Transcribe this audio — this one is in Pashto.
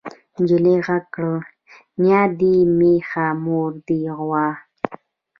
نجلۍ غږ کړ نيا دې مېښه مور دې غوا.